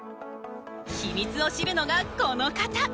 秘密を知るのがこの方。